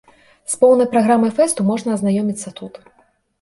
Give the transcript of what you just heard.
З поўнай праграмай фэсту можна азнаёміцца тут.